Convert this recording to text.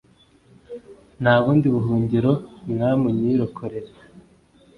Nta bundi buhungiro, Mwami unyirokorere;